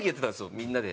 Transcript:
みんなで。